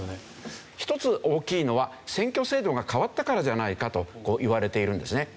一つ大きいのは選挙制度が変わったからじゃないかといわれているんですね。